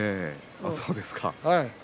そうですか。